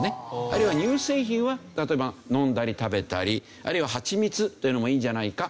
あるいは乳製品は飲んだり食べたりあるいはハチミツというのもいいんじゃないか。